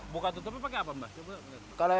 buka tutupnya pakai apa mbak